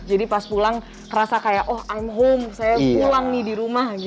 jadi pas pulang terasa kayak oh i'm home saya pulang nih di rumah gitu ya